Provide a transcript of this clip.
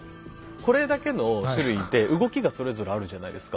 これだけの種類いて動きがそれぞれあるじゃないですか。